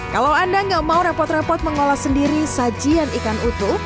kalau anda nggak mau repot repot mengolah sendiri sajian ikan utuh